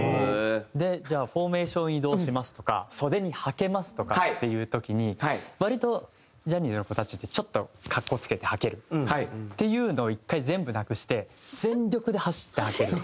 じゃあフォーメーション移動しますとか袖にはけますとかっていう時に割とジャニーズの子たちってちょっと格好付けてはけるっていうのを一回全部なくして。